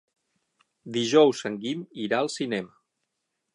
Dijous en Guim irà al cinema.